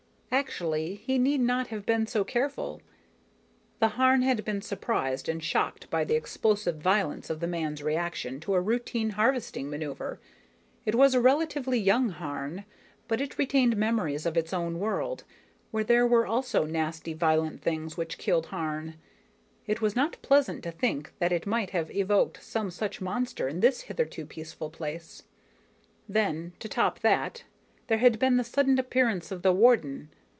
Actually, he need not have been so careful. The Harn had been surprised and shocked by the explosive violence of the man's reaction to a routine harvesting maneuver. It was a relatively young Harn, but it retained memories of its own world, where there were also nasty, violent things which killed Harn. It was not pleasant to think that it might have evoked some such monster in this hitherto peaceful place. Then, to top that, there had been the sudden appearance of the Warden.